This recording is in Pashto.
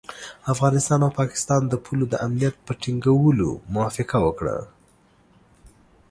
افغانستان او پاکستان د پولو د امنیت په ټینګولو موافقه وکړه.